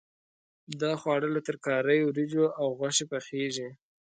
دا خواړه له ترکارۍ، وریجو او غوښې پخېږي.